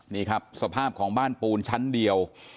นี่ครับสภาพของบ้านปูนชั้นเดียว